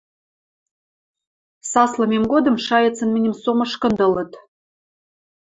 Саслымем годым шайыцын мӹньӹм со мышкындылыт.